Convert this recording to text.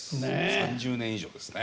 ３０年以上ですね。